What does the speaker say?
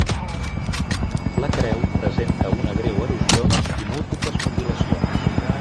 La creu presenta una greu erosió i múltiples mutilacions.